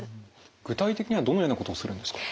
具体的にはどのようなことをするんですか？